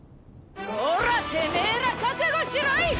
おらあてめえら覚悟しろい！